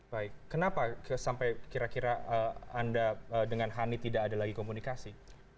baik kenapa sampai kira kira anda dengan hani tidak ada lagi komunikasi